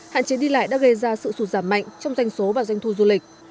hạn chế đi lại đã gây ra sự sụt giảm mạnh trong doanh số và doanh thu du lịch